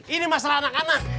ini masalah anak anak